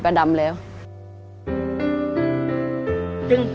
ประมาณ๗๐๘๐ปีได้แล้วบ้านหลังนี้